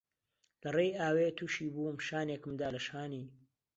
لە ڕێی ئاوێ تووشی بووم شانێکم دا لە شانی